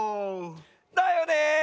だよね。